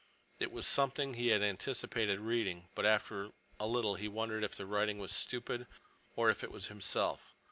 It was something he had anticipated reading, but after a little he wondered if the writing was stupid, or if it was himself.